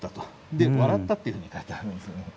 で笑ったっていうふうに書いてあるんですよね。